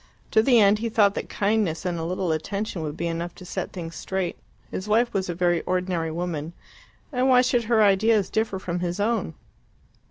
To the end he thought that kindness and a little attention would be enough to set things straight. His wife was a very ordinary woman, and why should her ideas differ from his own?